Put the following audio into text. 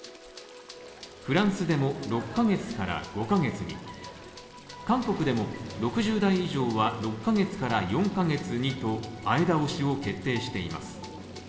フランスでも６ヶ月から５ヶ月に韓国でも、６０代以上は６ヶ月から４ヶ月にと前倒しを決定しています。